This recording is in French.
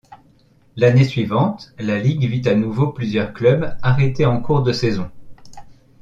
L’année suivante, la ligue vit à nouveau plusieurs clubs arrêter en cours de saison.